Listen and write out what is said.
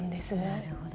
なるほど。